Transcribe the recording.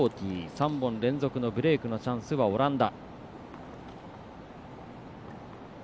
３本連続のブレークのチャンスはオランダ。